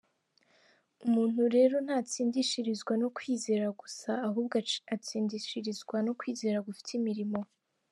Umuntu rero ntatsindishirizwa no kwizera gusa ahubwo atsindishirizwa no kwizera gufite imirimo.